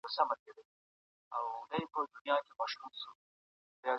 کي د دري ژبې ترڅنګ رسمي سوه. دا څو پښتو